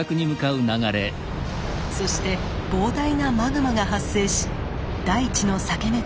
そして膨大なマグマが発生し大地の裂け目からあふれ出します。